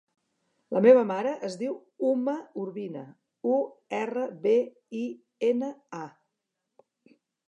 La meva mare es diu Uma Urbina: u, erra, be, i, ena, a.